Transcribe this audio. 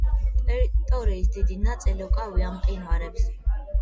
ტერიტორიის დიდი ნაწილი უკავია მყინვარებს.